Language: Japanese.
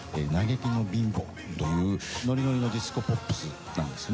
『嘆きのビンボー』というノリノリのディスコポップスなんですね。